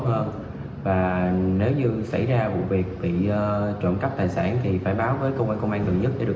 hơn và nếu như xảy ra vụ việc bị trộm cắp tài sản thì phải báo với công an công an gần nhất để được